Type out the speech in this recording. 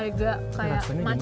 agak kayak macan ya